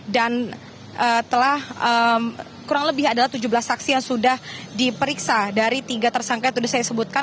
dan telah kurang lebih adalah tujuh belas saksi yang sudah diperiksa dari tiga tersangka yang sudah saya sebutkan